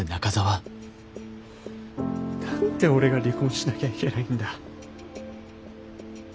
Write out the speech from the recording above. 何で俺が離婚しなきゃいけないんだ。